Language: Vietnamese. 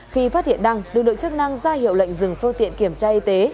khi phát hiện đăng lực lượng chức năng ra hiệu lệnh dừng phương tiện kiểm tra y tế